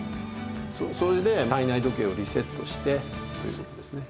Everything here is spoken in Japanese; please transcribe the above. それで体内時計をリセットしてという事ですね。